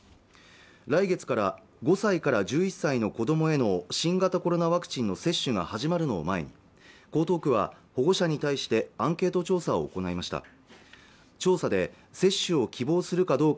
来月から５歳から１１歳の子供への新型コロナワクチンの接種が始まるのを前に江東区は保護者に対してアンケート調査を行いました